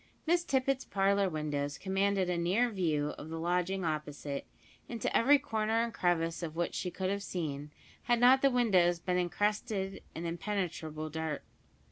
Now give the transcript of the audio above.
Miss Tippet's parlour windows commanded a near view of the lodging opposite, into every corner and crevice of which she could have seen, had not the windows been encrusted with impenetrable dirt.